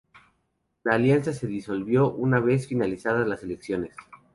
La alianza se disolvió una vez finalizadas las elecciones.